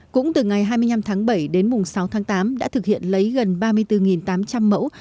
cũng từ ngày hai mươi năm tháng bảy đến mùng sáu tháng tám đã thực hiện lấy gần ba mươi bốn tám trăm linh mẫu